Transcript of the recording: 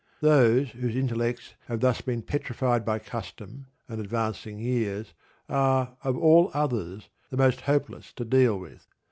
Those whose intellects have thus been petrified by custom and advancing years are, of all others, the most hopeless to deal with.